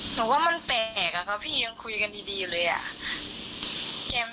หนูว่ามันแปลกอะค่ะพี่ยังคุยกันดีอยู่เลยอ่ะ